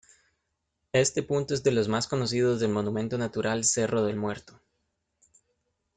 Este punto es de los más conocidos del Monumento Natural Cerro del Muerto.